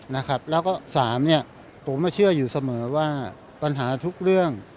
แล้วก็สามเนี่ยผมมาเชื่ออยู่เสมอว่าปัญหาทุกเรื่อง